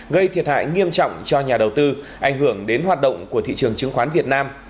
gây thiệt hại nghiêm trọng cho nhà đầu tư ảnh hưởng đến hoạt động của thị trường chứng khoán việt nam